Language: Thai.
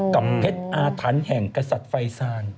กับเพชรอาถรรพ์แห่งกษัตริย์ไฟซาน